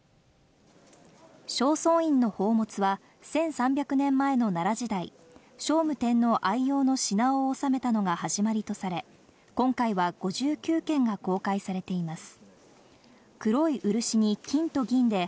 正倉院の宝物は、１３００年前の奈良時代、聖武天皇愛用の品を収めたのが始まりとされ、今回は５９件が公開されています。